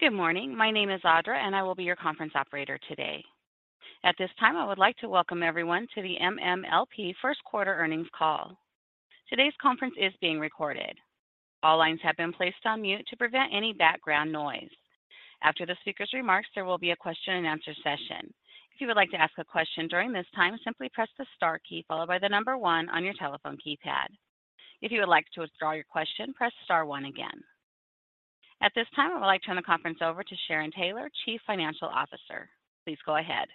Good morning. My name is Audra. I will be your conference operator today. At this time, I would like to welcome everyone to the MMLP first quarter earnings call. Today's conference is being recorded. All lines have been placed on mute to prevent any background noise. After the speaker's remarks, there will be a question-and-answer session. If you would like to ask a question during this time, simply press the star key followed by one on your telephone keypad. If you would like to withdraw your question, press Star one again. At this time, I would like to turn the conference over to Sharon Taylor, Chief Financial Officer. Please go ahead.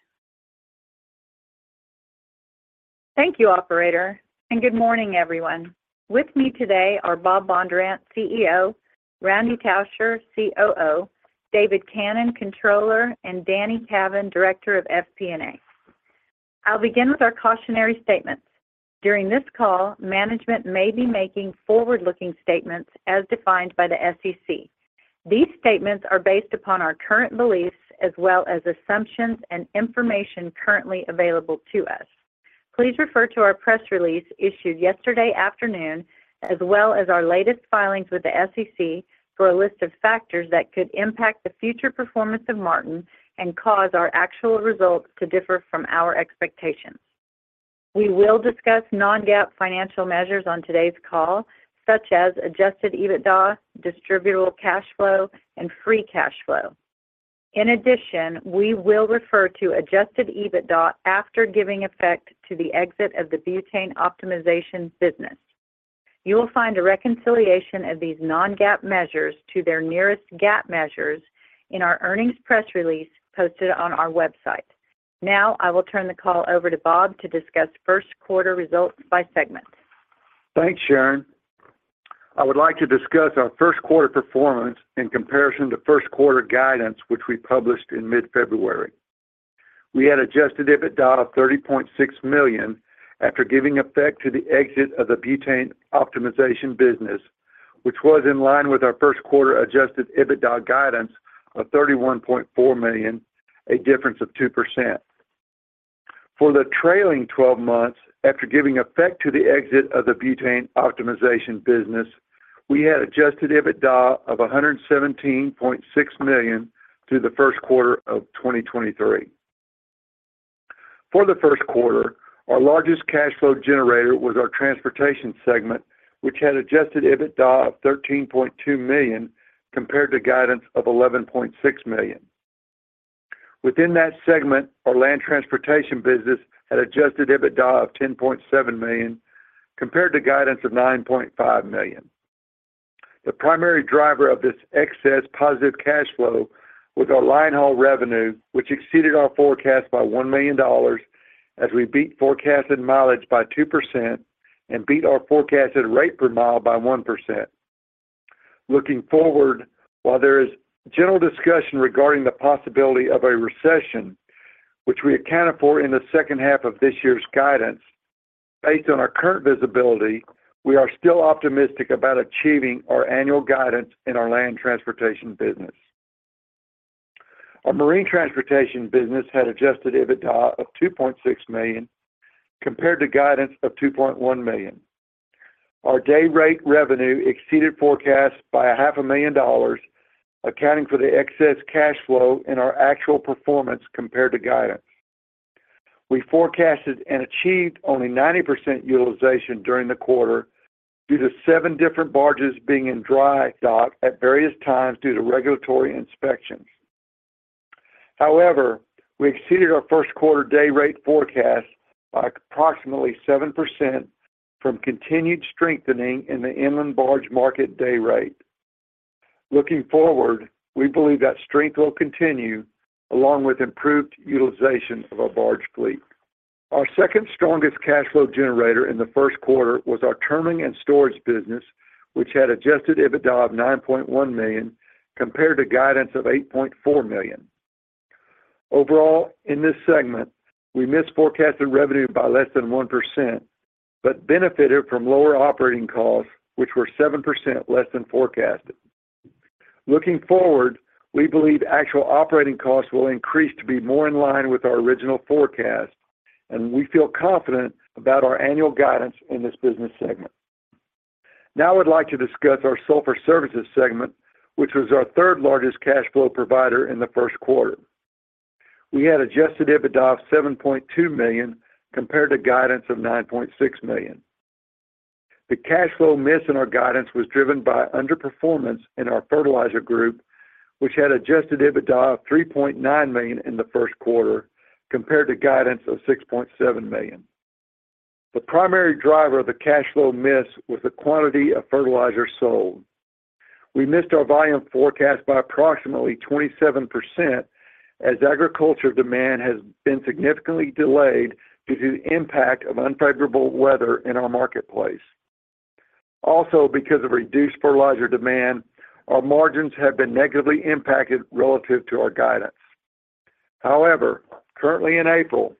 Thank you, operator, and good morning, everyone. With me today are Robert Bondurant, CEO, Randall Tauscher, COO, David Cannon, Controller, and Danny Cavan, Director of FP&A. I'll begin with our cautionary statements. During this call, management may be making forward-looking statements as defined by the SEC. These statements are based upon our current beliefs as well as assumptions and information currently available to us. Please refer to our press release issued yesterday afternoon as well as our latest filings with the SEC for a list of factors that could impact the future performance of Martin and cause our actual results to differ from our expectations. We will discuss non-GAAP financial measures on today's call, such as Adjusted EBITDA, distributable cash flow, and free cash flow. In addition, we will refer to Adjusted EBITDA after giving effect to the exit of the butane optimization business. You will find a reconciliation of these non-GAAP measures to their nearest GAAP measures in our earnings press release posted on our website. Now, I will turn the call over to Bob to discuss first quarter results by segment. Thanks, Sharon. I would like to discuss our first quarter performance in comparison to first quarter guidance, which we published in mid-February. We had Adjusted EBITDA of $30.6 million after giving effect to the exit of the butane optimization business, which was in line with our first quarter Adjusted EBITDA guidance of $31.4 million, a difference of 2%. For the trailing twelve months after giving effect to the exit of the butane optimization business, we had Adjusted EBITDA of $117.6 million through the first quarter of 2023. For the first quarter, our largest cash flow generator was our transportation segment, which had Adjusted EBITDA of $13.2 million compared to guidance of $11.6 million. Within that segment, our land transportation business had Adjusted EBITDA of $10.7 million compared to guidance of $9.5 million. The primary driver of this excess positive cash flow was our line haul revenue, which exceeded our forecast by $1 million as we beat forecasted mileage by 2% and beat our forecasted rate per mile by 1%. Looking forward, while there is general discussion regarding the possibility of a recession, which we accounted for in the second half of this year's guidance, based on our current visibility, we are still optimistic about achieving our annual guidance in our land transportation business. Our marine transportation business had Adjusted EBITDA of $2.6 million compared to guidance of $2.1 million. Our day rate revenue exceeded forecast by a half a million dollars, accounting for the excess cash flow in our actual performance compared to guidance. We forecasted and achieved only 90% utilization during the quarter due to seven different barges being in dry dock at various times due to regulatory inspections. However, we exceeded our first quarter day rate forecast by approximately 7% from continued strengthening in the inland barge market day rate. Looking forward, we believe that strength will continue along with improved utilization of our barge fleet. Our second strongest cash flow generator in the first quarter was our terminal and storage business, which had Adjusted EBITDA of $9.1 million compared to guidance of $8.4 million. Overall, in this segment, we missed forecasted revenue by less than 1%, but benefited from lower operating costs, which were 7% less than forecasted. Looking forward, we believe actual operating costs will increase to be more in line with our original forecast. We feel confident about our annual guidance in this business segment. Now I'd like to discuss our Sulfur Services Segment, which was our third-largest cash flow provider in the first quarter. We had Adjusted EBITDA of $7.2 million compared to guidance of $9.6 million. The cash flow miss in our guidance was driven by underperformance in our fertilizer group, which had Adjusted EBITDA of $3.9 million in the first quarter compared to guidance of $6.7 million. The primary driver of the cash flow miss was the quantity of fertilizer sold. We missed our volume forecast by approximately 27% as agriculture demand has been significantly delayed due to the impact of unfavorable weather in our marketplace. Also, because of reduced fertilizer demand, our margins have been negatively impacted relative to our guidance. However, currently in April,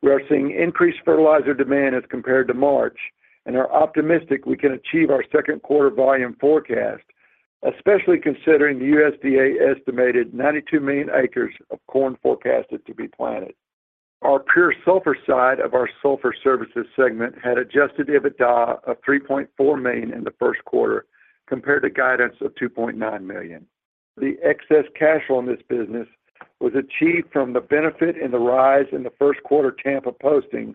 we are seeing increased fertilizer demand as compared to March and are optimistic we can achieve our second quarter volume forecast, especially considering the USDA estimated 92 million acres of corn forecasted to be planted. Our pure sulfur side of our sulfur services segment had Adjusted EBITDA of $3.4 million in the first quarter compared to guidance of $2.9 million. The excess cash on this business was achieved from the benefit and the rise in the first quarter Tampa postings,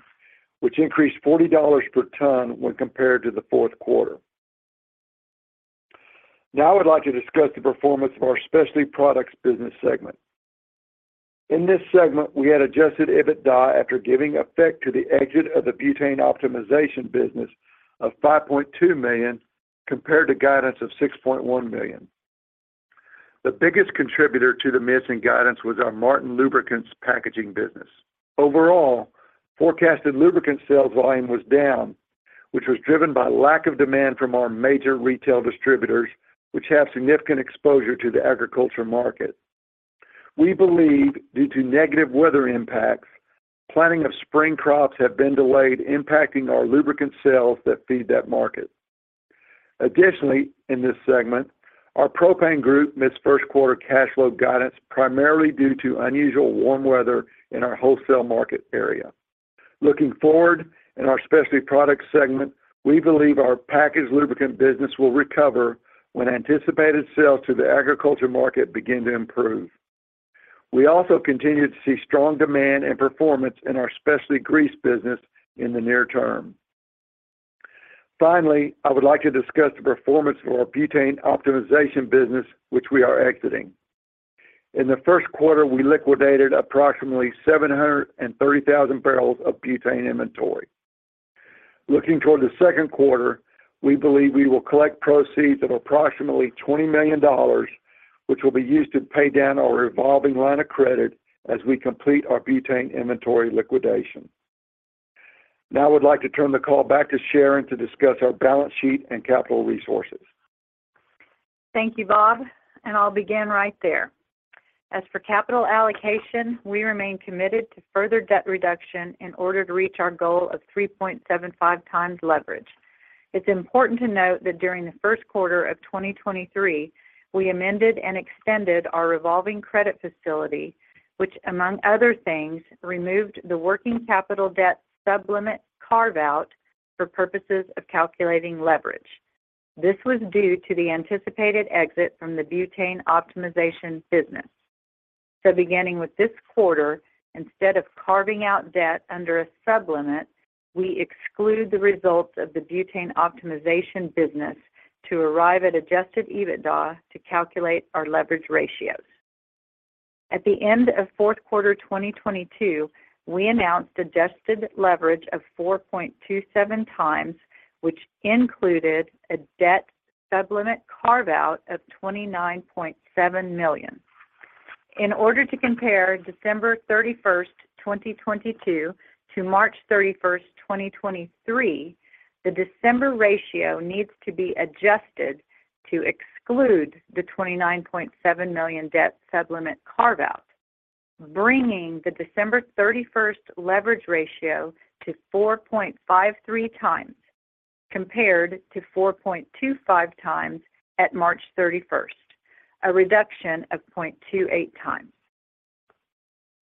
which increased $40 per ton when compared to the fourth quarter. Now I would like to discuss the performance of our specialty products business segment. In this segment, we had Adjusted EBITDA after giving effect to the exit of the butane optimization business of $5.2 million compared to guidance of $6.1 million. The biggest contributor to the missing guidance was our Martin Lubricants packaging business. Overall, forecasted lubricant sales volume was down, which was driven by lack of demand from our major retail distributors, which have significant exposure to the agriculture market. We believe due to negative weather impacts, planting of spring crops have been delayed, impacting our lubricant sales that feed that market. Additionally, in this segment, our propane group missed first quarter cash flow guidance primarily due to unusual warm weather in our wholesale market area. Looking forward in our specialty products segment, we believe our packaged lubricant business will recover when anticipated sales to the agriculture market begin to improve. We also continue to see strong demand and performance in our specialty grease business in the near term. Finally, I would like to discuss the performance of our butane optimization business, which we are exiting. In the first quarter, we liquidated approximately 730,000 barrels of butane inventory. Looking toward the second quarter, we believe we will collect proceeds of approximately $20 million, which will be used to pay down our revolving line of credit as we complete our butane inventory liquidation. I would like to turn the call back to Sharon to discuss our balance sheet and capital resources. Thank you, Bob, and I'll begin right there. As for capital allocation, we remain committed to further debt reduction in order to reach our goal of 3.75x leverage. It's important to note that during the 1st quarter of 2023, we amended and extended our revolving credit facility, which among other things, removed the working capital debt sub-limit carve-out for purposes of calculating leverage. This was due to the anticipated exit from the butane optimization business. Beginning with this quarter, instead of carving out debt under a sub-limit, we exclude the results of the butane optimization business to arrive at Adjusted EBITDA to calculate our leverage ratios. At the end of 4th quarter 2022, we announced adjusted leverage of 4.27x, which included a debt sub-limit carve-out of $29.7 million. In order to compare December 31st, 2022 to March 31st, 2023, the December ratio needs to be adjusted to exclude the $29.7 million debt sub-limit carve-out, bringing the December 31st leverage ratio to 4.53 times compared to 4.25 times at March 31st, a reduction of 0.28 times.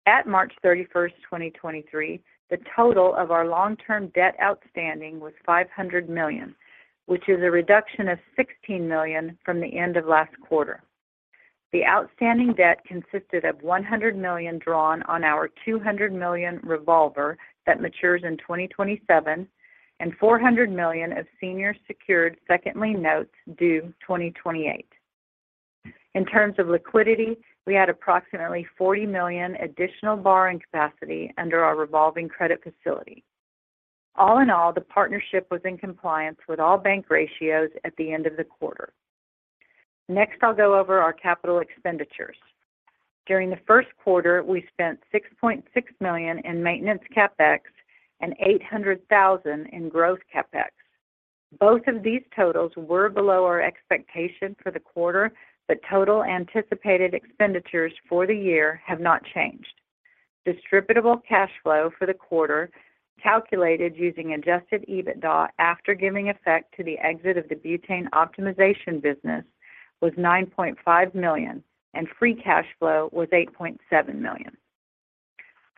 At March 31st, 2023, the total of our long-term debt outstanding was $500 million, which is a reduction of $16 million from the end of last quarter. The outstanding debt consisted of $100 million drawn on our $200 million revolver that matures in 2027 and $400 million of senior secured second lien notes due 2028. In terms of liquidity, we had approximately $40 million additional borrowing capacity under our revolving credit facility. All in all, the partnership was in compliance with all bank ratios at the end of the quarter. Next, I'll go over our capital expenditures. During the first quarter, we spent $6.6 million in maintenance CapEx and $800,000 in growth CapEx. Both of these totals were below our expectation for the quarter, but total anticipated expenditures for the year have not changed. Distributable cash flow for the quarter, calculated using Adjusted EBITDA after giving effect to the exit of the butane optimization business, was $9.5 million, and Free cash flow was $8.7 million.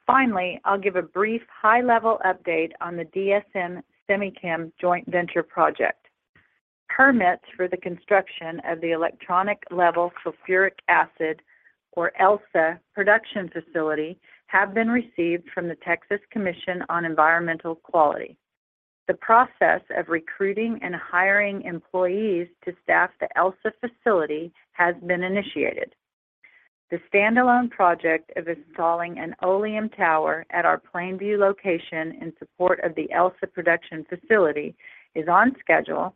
Finally, I'll give a brief high-level update on the DSM Semichem joint venture project. Permits for the construction of the electronic level sulfuric acid or ELSA production facility have been received from the Texas Commission on Environmental Quality. The process of recruiting and hiring employees to staff the ELSA facility has been initiated. The standalone project of installing an oleum tower at our Plainview location in support of the ELSA production facility is on schedule.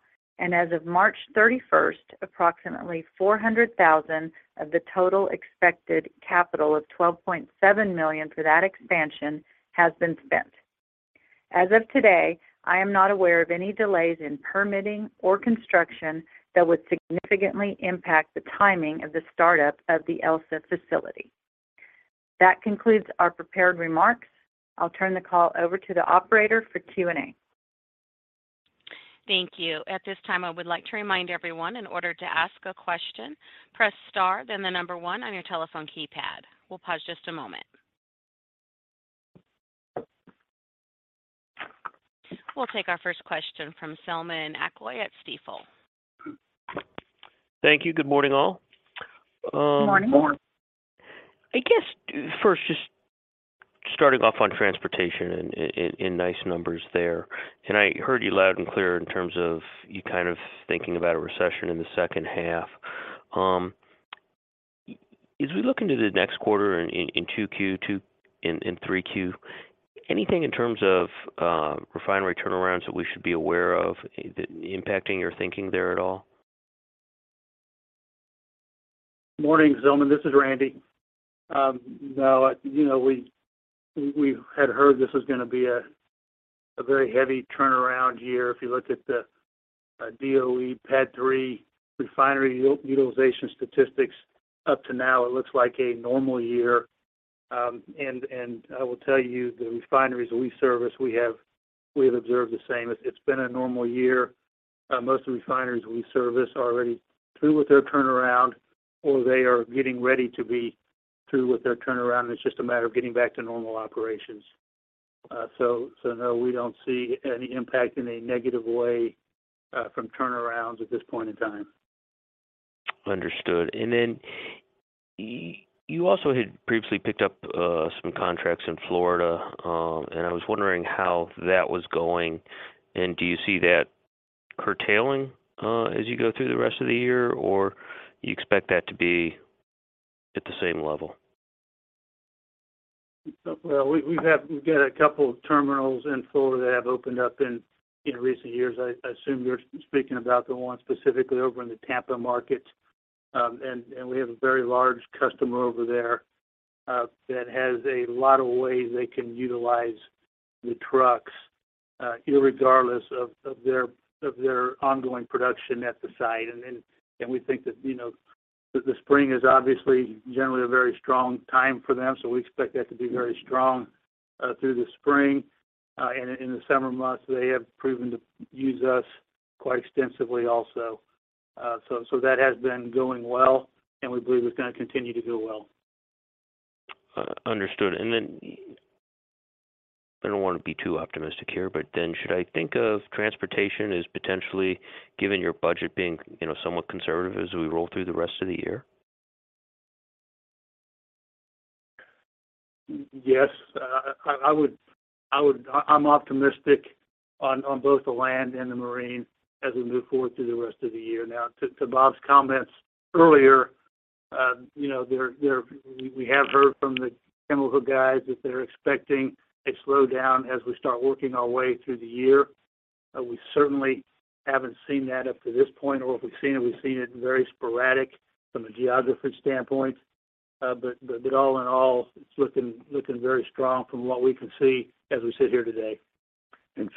As of March 31st, approximately $400,000 of the total expected capital of $12.7 million for that expansion has been spent. As of today, I am not aware of any delays in permitting or construction that would significantly impact the timing of the startup of the ELSA facility. That concludes our prepared remarks. I'll turn the call over to the operator for Q&A. Thank you. At this time, I would like to remind everyone, in order to ask a question, press Star, then one on your telephone keypad. We'll pause just a moment. We'll take our first question from Selman Akyol at Stifel. Thank you. Good morning, all. Good morning. I guess first, just starting off on transportation and nice numbers there. I heard you loud and clear in terms of you kind of thinking about a recession in the second half. As we look into the next quarter in 2Q, in 3Q, anything in terms of refinery turnarounds that we should be aware of impacting your thinking there at all? Morning, Selman. This is Randy. Now, you know, we had heard this was gonna be a very heavy turnaround year. If you look at the DOE PADD 3 refinery utilization statistics up to now, it looks like a normal year. I will tell you, the refineries we service, we have observed the same. It's been a normal year. Most refineries we service are already through with their turnaround, or they are getting ready to be through with their turnaround. It's just a matter of getting back to normal operations. No, we don't see any impact in a negative way from turnarounds at this point in time. Understood. You also had previously picked up some contracts in Florida, and I was wondering how that was going. Do you see that curtailing as you go through the rest of the year, or you expect that to be at the same level? Well, we've got a couple of terminals in Florida that have opened up in recent years. I assume you're speaking about the one specifically over in the Tampa market. We have a very large customer over there, that has a lot of ways they can utilize the trucks, irregardless of their ongoing production at the site. We think that, you know, the spring is obviously generally a very strong time for them, so we expect that to be very strong through the spring. In the summer months, they have proven to use us quite extensively also. That has been going well, and we believe it's gonna continue to go well. understood. I don't wanna be too optimistic here, should I think of transportation as potentially giving your budget being, you know, somewhat conservative as we roll through the rest of the year? Yes. I'm optimistic on both the land and the marine as we move forward through the rest of the year. To Bob's comments earlier, you know, we have heard from the chemical guys that they're expecting a slowdown as we start working our way through the year. We certainly haven't seen that up to this point, or if we've seen it, we've seen it very sporadic from a geography standpoint. All in all, it's looking very strong from what we can see as we sit here today.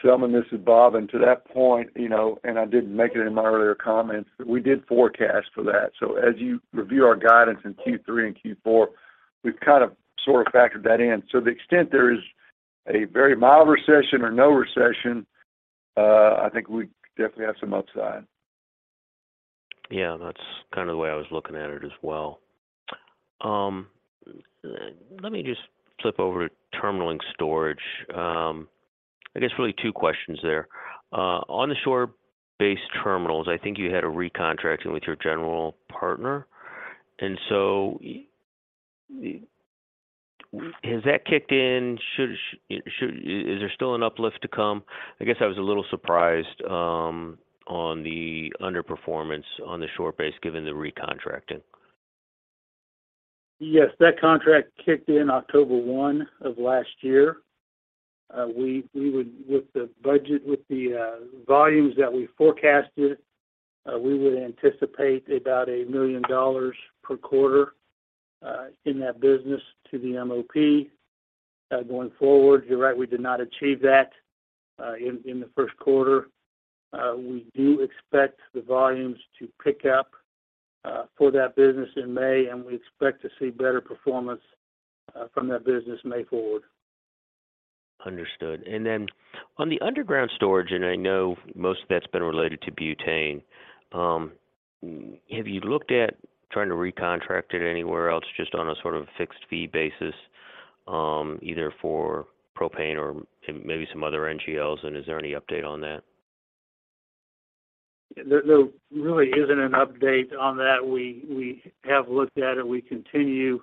Selman, this is Bob. To that point, you know, and I didn't make it in my earlier comments, but we did forecast for that. As you review our guidance in Q3 and Q4, we've kind of sort of factored that in. To the extent there is a very mild recession or no recession, I think we definitely have some upside. Yeah, that's kind of the way I was looking at it as well. Let me just flip over to terminal and storage. I guess really two questions there. On the shore-based terminals, I think you had a recontracting with your general partner, has that kicked in? Is there still an uplift to come? I guess I was a little surprised on the underperformance on the shore base given the recontracting. Yes, that contract kicked in October 1 of last year. With the budget, with the volumes that we forecasted, we would anticipate about $1 million per quarter in that business to the MOP going forward. You're right, we did not achieve that in the first quarter. We do expect the volumes to pick up for that business in May, we expect to see better performance from that business May forward. Understood. On the underground storage, and I know most of that's been related to butane, have you looked at trying to recontract it anywhere else just on a sort of fixed fee basis, either for propane or maybe some other NGLs, and is there any update on that? There really isn't an update on that. We have looked at it. We continue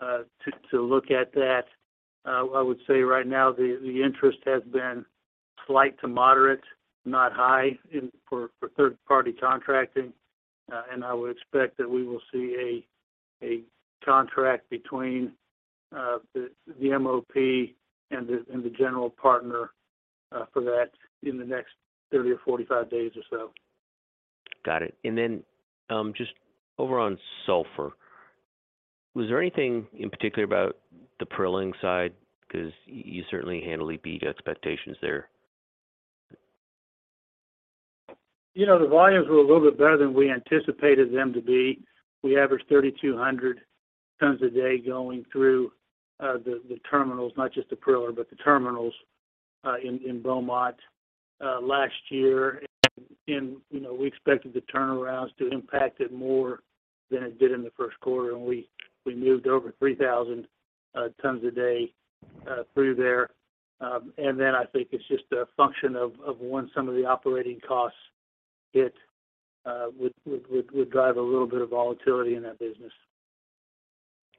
to look at that. I would say right now the interest has been slight to moderate, not high for third-party contracting. I would expect that we will see a contract between the MOP and the general partner for that in the next 30 or 45 days or so. Got it. Just over on sulfur, was there anything in particular about the prilling side? Because you certainly handled the beach expectations there. You know, the volumes were a little bit better than we anticipated them to be. We averaged 3,200 tons a day going through the terminals, not just the priller, but the terminals in Beaumont last year. You know, we expected the turnarounds to impact it more than it did in the first quarter, and we moved over 3,000 tons a day through there. I think it's just a function of when some of the operating costs hit, would drive a little bit of volatility in that business.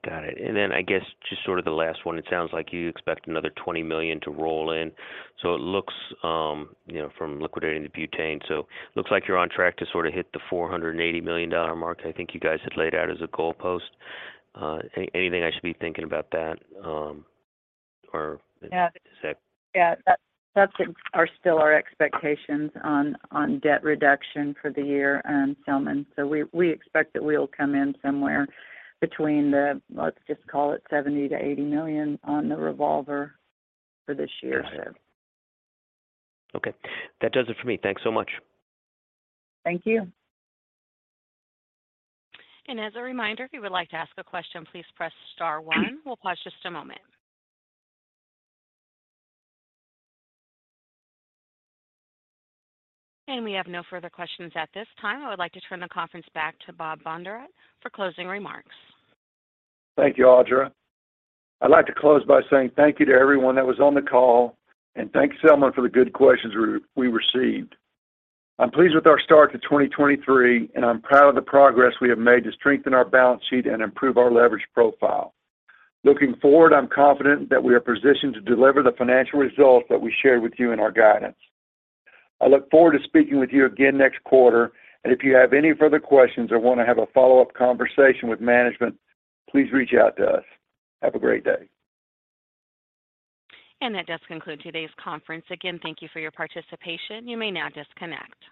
Got it. I guess just sort of the last one, it sounds like you expect another $20 million to roll in, so it looks, you know, from liquidating the butane. Looks like you're on track to sort of hit the $480 million mark I think you guys had laid out as a goalpost. Anything I should be thinking about that, or to say? Yeah. That's are still our expectations on debt reduction for the year, Selman. We, we expect that we'll come in somewhere between the, let's just call it $70 million-$80 million on the revolver for this year. Got it. Okay. That does it for me. Thanks so much. Thank you. As a reminder, if you would like to ask a question, please press Star one. We'll pause just a moment. We have no further questions at this time. I would like to turn the conference back to Robert Bondurant for closing remarks. Thank you, Audra. I'd like to close by saying thank you to everyone that was on the call, thank Selman for the good questions we received. I'm pleased with our start to 2023, I'm proud of the progress we have made to strengthen our balance sheet and improve our leverage profile. Looking forward, I'm confident that we are positioned to deliver the financial results that we shared with you in our guidance. I look forward to speaking with you again next quarter. If you have any further questions or wanna have a follow-up conversation with management, please reach out to us. Have a great day. That does conclude today's conference. Again, thank you for your participation. You may now disconnect.